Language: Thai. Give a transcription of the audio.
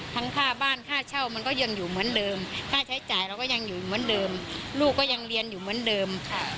ค่าบ้านค่าเช่ามันก็ยังอยู่เหมือนเดิมค่าใช้จ่ายเราก็ยังอยู่เหมือนเดิมลูกก็ยังเรียนอยู่เหมือนเดิม